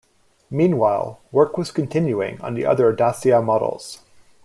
Meanwhile, work was continuing on the other Dacia models.